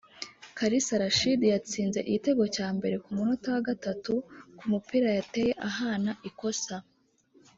Kalisa Rachid yatsinze igitego cya mbere ku munota wa gatatu ku mupira yateye ahana ikosa